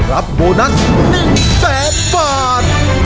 รับโบนัส๑๐๐บาท